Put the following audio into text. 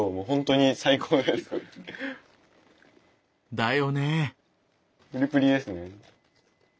だよね！